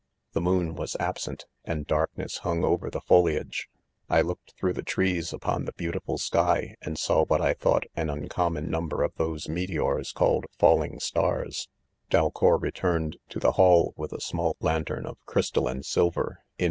The moon was absent, and darkness hung over fhe^Miage. ■..■ v ^i; ; .v; ''■ v "^ I .looked through ^the^trees, ■ upon the .<b.eauti« fal sky, and saw what I thought an uncommon' number of those meteors called falling star s* r.;: Dalcour returned to the ■; hall with a small lantern of: crystal and silver^ /in